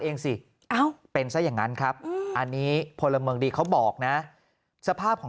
เองสิเป็นซะอย่างนั้นครับอันนี้พลเมืองดีเขาบอกนะสภาพของ